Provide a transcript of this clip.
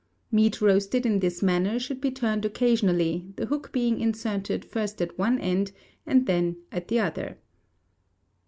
Meat roasted in this manner should be turned occasionally, the hook being inserted first at one end and then at the other.